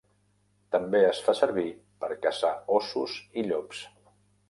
També es fa servir per caçar ossos i llops.